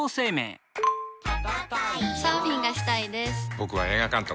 僕は映画監督。